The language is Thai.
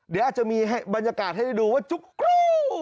เดี๋ยวอาจจะมีบรรยากาศให้ได้ดูว่าจุ๊กกรู